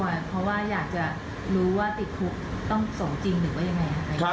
อยู่กับนักโทษอย่างในรินจำ